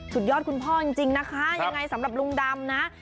สุดยอดคุณพ่อจริงนะคะยังไงสำหรับลุงดำนะ